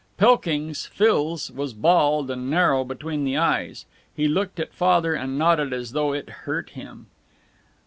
Pilkings, fils, was bald, and narrow between the eyes. He looked at Father and nodded as though it hurt him.